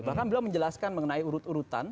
bahkan beliau menjelaskan mengenai urut urutan